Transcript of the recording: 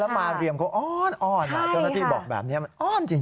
มาเรียมเขาอ้อนเจ้าหน้าที่บอกแบบนี้มันอ้อนจริง